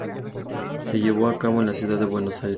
Se llevó a cabo el en la Ciudad de Buenos Aires.